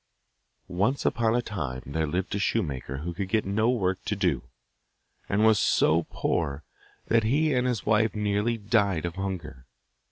Once upon a time there lived a shoemaker who could get no work to do, and was so poor that he and his wife nearly died of hunger.